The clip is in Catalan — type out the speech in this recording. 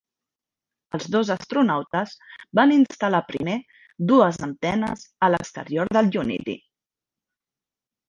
Els dos astronautes van instal·lar primer dues antenes a l'exterior del "Unity".